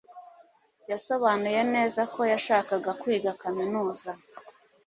Yasobanuye neza ko yashakaga kwiga kaminuza